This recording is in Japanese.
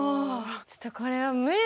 ちょっとこれは無理だよね。